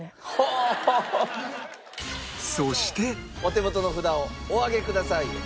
そしてお手元の札をお上げください。